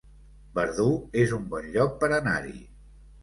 Verdú es un bon lloc per anar-hi